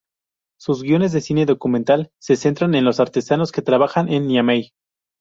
Sus guiones de cine documental, se centran en los artesanos que trabajan en Niamey.